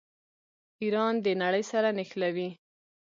ایران د نړۍ سره نښلوي.